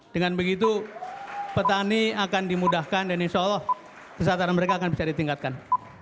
dengan begitu petani akan dimudahkan dan insya allah kesehatan mereka akan bisa ditingkatkan